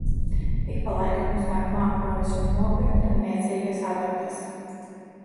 Ik pa laikam uznāk mākonis un nobirdina niecīgas adatas.